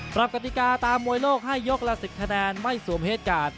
กติกาตามมวยโลกให้ยกละ๑๐คะแนนไม่สวมเหตุการณ์